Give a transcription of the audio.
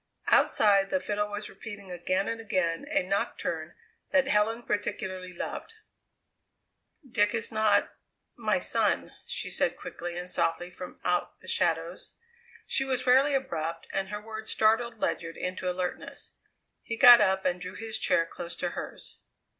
Outside, the fiddle was repeating again and again a nocturne that Helen particularly loved. "Dick is not my son!" she said quickly and softly from out the shadows. She was rarely abrupt, and her words startled Ledyard into alertness. He got up and drew his chair close to hers.